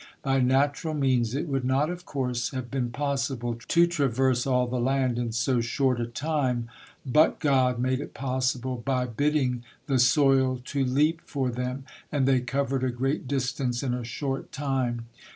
By natural means it would not, of course, have been possible to traverse all the land in so short a time, by God made it possible by "bidding the soil to leap for them," and they covered a great distance in a short time.